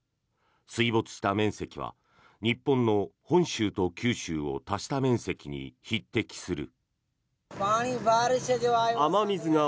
水没した面積は日本の本州と九州を足した面積に匹敵する。